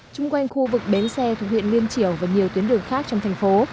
chung quanh khu vực bến xe thuộc huyện liên triều và nhiều tuyến đường khác trong thành phố